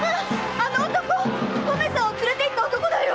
あの男とめさんを連れていった男だよ！